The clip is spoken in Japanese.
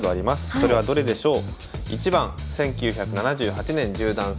それはどれでしょう？